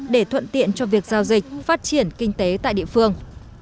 để thuận tiện cho việc giao dịch phát triển kinh tế tại địa phương